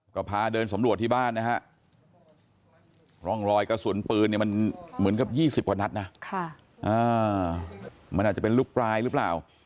ก็พาเดินสำรวจที่บ้านนะฮะร่องรอยกระสุนปืนเนี่ยมันเหมือนกับ๒๐กว่านัดนะมันอาจจะเป็นลูกปลายหรือเปล่า